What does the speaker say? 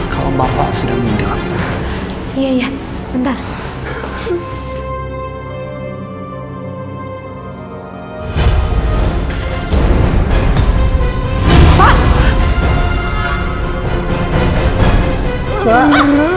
kalau bapak gak nanya warisan